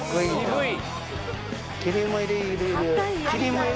はい。